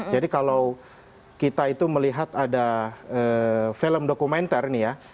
jadi kalau kita itu melihat ada film dokumenter ini ya